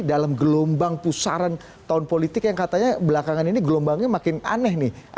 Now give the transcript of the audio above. dalam gelombang pusaran tahun politik yang katanya belakangan ini gelombangnya makin aneh nih